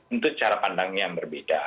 itu cara pandangnya yang berbeda